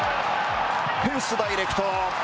フェンス、ダイレクト。